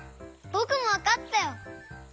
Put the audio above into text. ぼくもわかったよ！